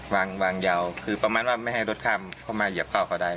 วางวางยาวคือประมาณว่าไม่ให้รถข้ามเข้ามาเหยียบเข้าเขาได้